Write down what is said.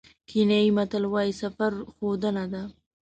کینیايي متل وایي سفر ښوونه ده.